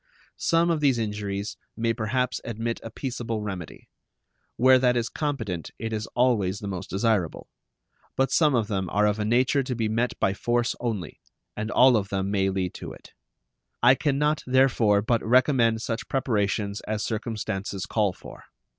Some of these injuries may perhaps admit a peaceable remedy. Where that is competent it is always the most desirable. But some of them are of a nature to be met by force only, and all of them may lead to it. I can not, therefore, but recommend such preparations as circumstances call for.